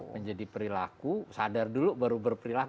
menjadi perilaku sadar dulu baru berperilaku